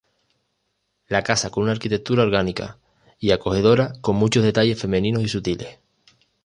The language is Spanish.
La casa con una arquitectura orgánica y acogedora con muchos detalles femeninos y sutiles.